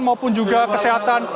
maupun juga kesehatan